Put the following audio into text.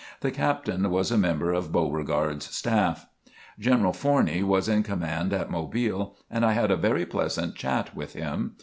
The Captain was a member of Beauregard's staff. General Forney was in command at Mobile and I had a very pleasant chat with him.